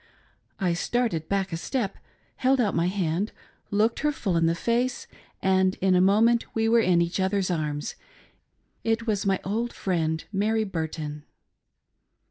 I started back a step, held out my hand, looked her full in the face, and in a moment we were in each other's arms. It was my old friend Mary Burton